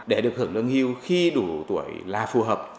để được hưởng lương hưu khi đủ tuổi là phù hợp